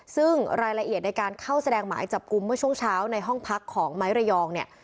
ซึ่งรายละเอียดในการเข้าแสดงหมายจับกลุ่มเมื่อช่วงเช้าในห้องพักของไม้ระยองเนี่ย